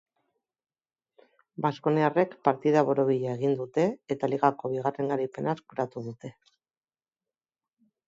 Baskoniarrek partida borobila egin dute, eta ligako bigarren garaipena eskuratu dute.